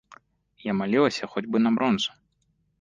Я малілася хоць бы на бронзу.